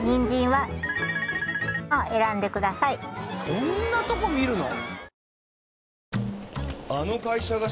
そんなとこ見るの？